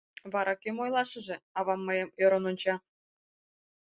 — Вара кӧм ойлашыже? — авам мыйым ӧрын онча.